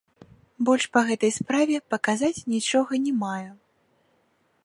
Больш па гэтай справе паказаць нічога не маю.